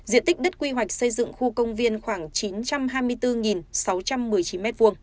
diện tích đất quy hoạch xây dựng khu công viên khoảng chín trăm hai mươi bốn sáu trăm một mươi chín m hai